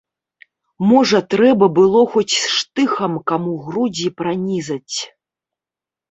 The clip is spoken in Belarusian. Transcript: Можа трэба было хоць штыхам каму грудзі пранізаць.